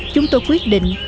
chúng tôi quyết định